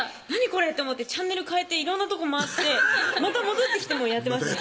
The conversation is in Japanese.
これと思ってチャンネル変えて色んなとこ回ってまた戻ってきてもやってました